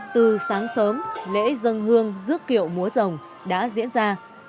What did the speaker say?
từ sáng sớm lễ dân hương rước kiệu múa rồng đã diễn ra